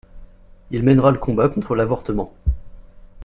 Il mènera le combat contre l'avortement.